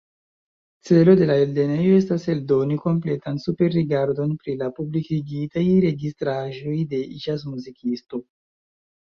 Celo de la eldonejo estas, eldoni kompletan superrigardon pri la publikigitaj registraĵoj de ĵazmuzikisto.